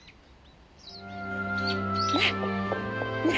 ねえねえ